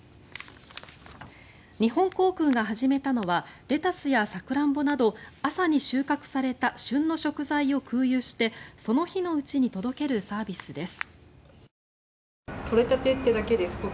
日本航空が始めたのはレタスやサクランボなど朝に収穫された旬の食材を空輸してその日のうちに届けるサービスです。